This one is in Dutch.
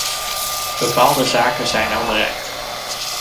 Bepaalde zaken zijn al bereikt.